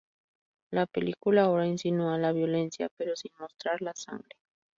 La película ahora insinúa la violencia, pero sin mostrar la sangre.